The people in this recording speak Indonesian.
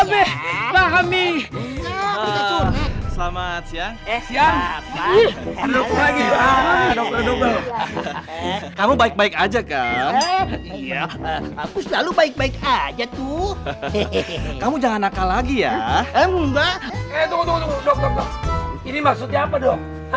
selamat siang siang kamu baik baik aja kamu jangan nakal lagi ya ini maksudnya apa dong